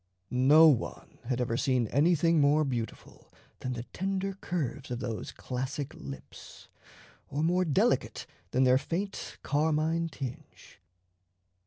No one had ever seen anything more beautiful than the tender curves of those classic lips, or more delicate than their faint carmine tinge.